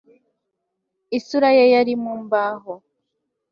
isura ye yari mu mbaho